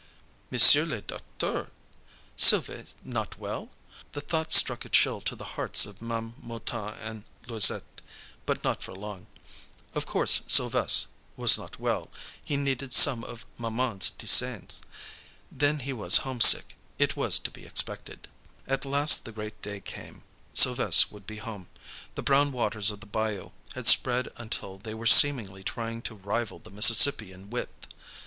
Monsieur le docteur! Sylves' not well! The thought struck a chill to the hearts of Ma'am Mouton and Louisette, but not for long. Of course, Sylves' was not well, he needed some of maman's tisanes. Then he was homesick; it was to be expected. At last the great day came, Sylves' would be home. The brown waters of the bayou had spread until they were seemingly trying to rival the Mississippi in width.